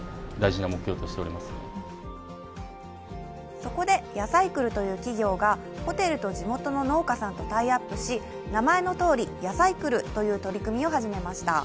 そこでヤサイクルという企業がホテルと地元の農家さんとタイアップし、名前のとおりヤサイクルという取り組みを始めました。